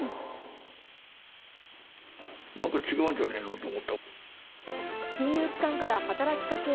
なんか違うんじゃないのと思